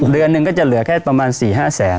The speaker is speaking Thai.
เดือนหนึ่งก็จะเหลือแค่ประมาณ๔๕แสน